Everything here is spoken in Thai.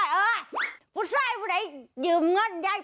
ยาตาข้างยืนหยัง